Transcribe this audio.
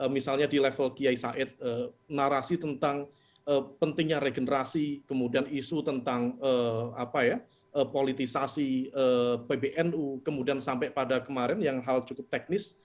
misalnya di level kiai said narasi tentang pentingnya regenerasi kemudian isu tentang politisasi pbnu kemudian sampai pada kemarin yang hal cukup teknis